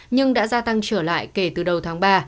nhưng đã gia tăng trở lại kể từ đầu tháng ba